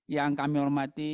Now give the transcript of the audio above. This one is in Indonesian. yang kami hormati